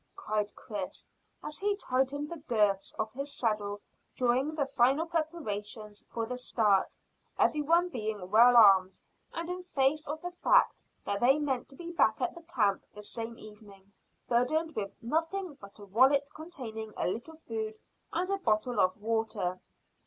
cried Chris, as he tightened the girths of his saddle during the final preparations for the start, every one being well armed, and in face of the fact that they meant to be back at the camp the same evening, burdened with nothing but a wallet containing a little food and a bottle of water.